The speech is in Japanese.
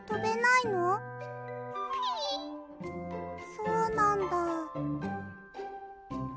そうなんだ。